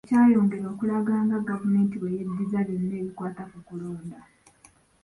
Kino kyayongera okulaga nga gavumenti bwe yeddiza byonna ebikwata ku kulonda.